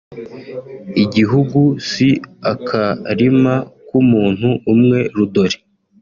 igihugu si akarima k’umuntu umwe rudori